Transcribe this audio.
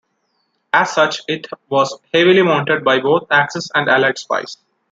As such, it was heavily monitored by both Axis and Allied spies.